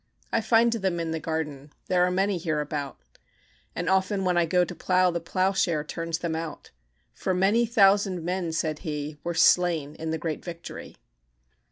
"I find them in the garden; There are many hereabout; And often, when I go to plough, The ploughshare turns them out; For many thousand men," said he, "Were slain in the great victory."